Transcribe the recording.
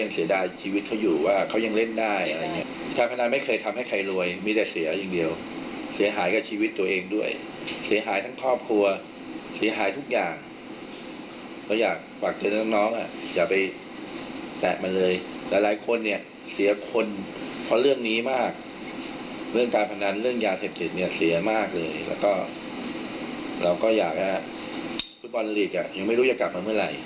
ส่วนตัวประมาณ๒๐ล้านบาทในยุคของโคสิโกน่าจะมีรายได้ส่วนตัวประมาณ๒๐ล้านบาทในยุคของโคสิโก